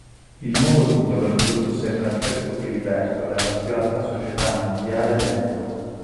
Il nuovo titolo introdusse Francesco Filiberto nella più alta società nobiliare dell'epoca.